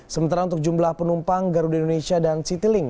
sementara untuk jumlah penumpang garuda indonesia dan citilink